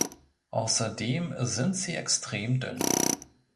Außerdem sind sie extrem dünn.